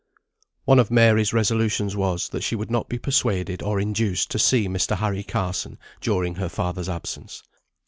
One of Mary's resolutions was, that she would not be persuaded or induced to see Mr. Harry Carson during her father's absence.